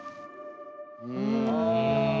うん。